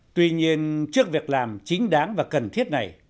tuy nhiên trước việc làm chính đáng và cần thiết này